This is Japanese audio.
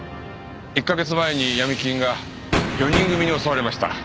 １カ月前に闇金が４人組に襲われました。